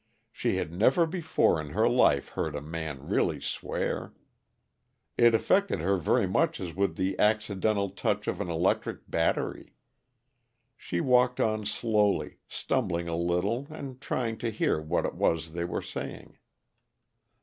She had never before in her life heard a man really swear. It affected her very much as would the accidental touch of an electric battery. She walked on slowly, stumbling a little and trying to hear what it was they were saying.